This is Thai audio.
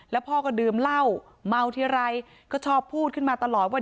แล้วพ่อก็ดื่มเหล้าเมาทีไรก็ชอบพูดขึ้นมาตลอดว่า